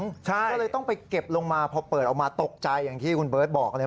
ก็เลยต้องไปเก็บลงมาพอเปิดออกมาตกใจอย่างที่คุณเบิร์ตบอกเลย